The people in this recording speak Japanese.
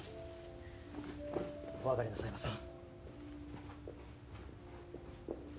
お上がりなさいませ。